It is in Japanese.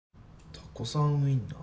たこさんウインナー？